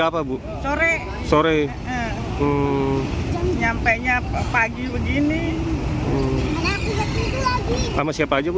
wuh sama siapa aja bu